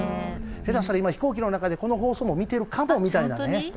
下手したら今、飛行機の中で、この放送も見てるかもみたいなね。